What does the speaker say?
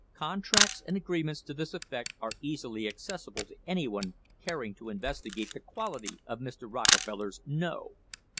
Con tracts and agreements to this effect are easily accessible to any one caring to investigate the quality of Mr. Rockefeller's "no."